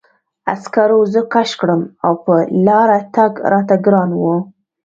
عسکرو زه کش کړم او په لاره تګ راته ګران و